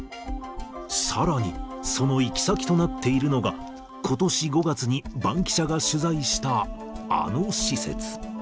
さらに、その行き先となっているのが、ことし５月にバンキシャが取材したあの施設。